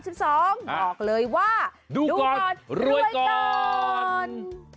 บอกเลยว่าดูก่อนรวยก่อน